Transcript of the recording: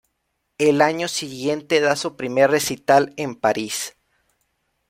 El año siguiente da su primer recital en París.